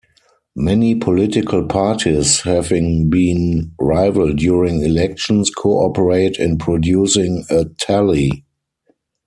Many political parties, having been rival during elections, co-operate in producing a tally.